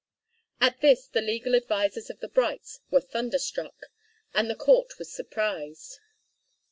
At this the legal advisers of the Brights were thunderstruck, and the court was surprised.